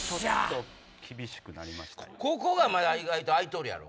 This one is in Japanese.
ここがまだ意外と空いとるやろ。